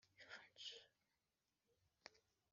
ivunjisha ry amafaranga